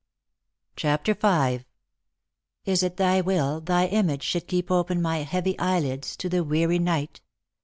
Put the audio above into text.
CHAPTER Y. •* Is It thy will, thy image skould keep open My heavy eyelids to the weary night